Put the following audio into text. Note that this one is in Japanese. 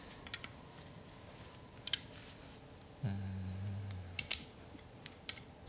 うん。